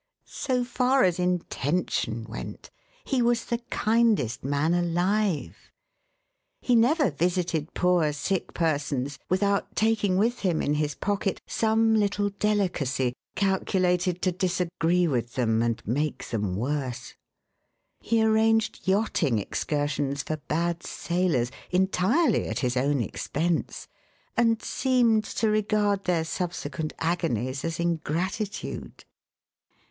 So far as intention went, he was the kindest man alive. He never visited poor sick persons without taking with him in his pocket some little delicacy calculated to disagree with them and make them worse. He arranged yachting excursions for bad sailors, entirely at his own expense, and seemed to regard their subsequent agonies as ingratitude.